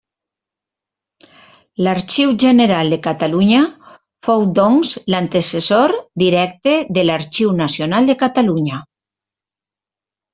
L'Arxiu General de Catalunya fou doncs l'antecessor directe de l'Arxiu Nacional de Catalunya.